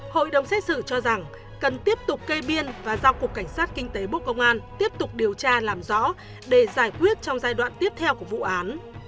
hội đồng xét xử cho rằng cần tiếp tục kê biên và giao cục cảnh sát kinh tế bộ công an tiếp tục điều tra làm rõ để giải quyết trong giai đoạn tiếp theo của vụ án